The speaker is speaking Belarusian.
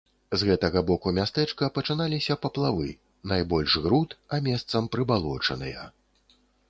З гэтага боку мястэчка пачыналіся паплавы, найбольш груд, а месцам прыбалочаныя.